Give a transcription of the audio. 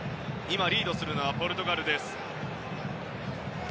今、リードするのはポルトガルです。